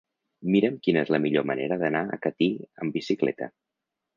Mira'm quina és la millor manera d'anar a Catí amb bicicleta.